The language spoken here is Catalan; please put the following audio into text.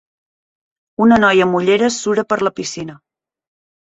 Una noia amb ulleres sura per la piscina.